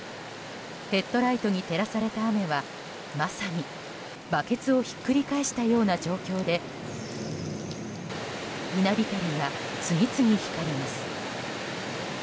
ヘッドライトに照らされた雨はまさにバケツをひっくり返したような状況で稲光が次々、光ります。